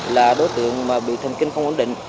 là đối tượng mà bị thần kinh không ổn định